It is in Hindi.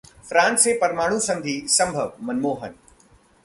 फ्रांस से परमाणु संधि संभव: मनमोहन